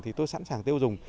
thì tôi sẵn sàng tiêu dùng